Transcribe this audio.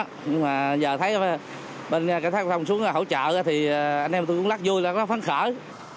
nhưng mà giờ thấy bên cảnh sát đào thông xuống hỗ trợ thì anh em tôi cũng lắc vui lắc lắc phán khởi